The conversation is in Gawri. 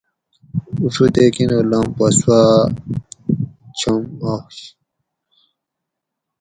اُڛو تے کِینور لام پا سواۤ چھم آش